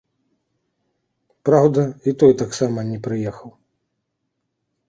Праўда, і той таксама не прыехаў.